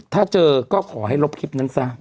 ถ้าเจอก็ขอให้ลบคลิปนั้นซะ